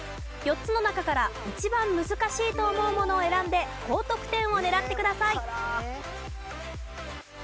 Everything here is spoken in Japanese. ４つの中から一番難しいと思うものを選んで高得点を狙ってください。